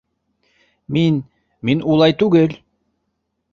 Мин... мин улай түгел!